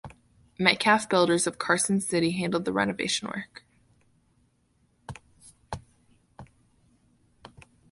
Metcalf Builders of Carson City handled the renovation work.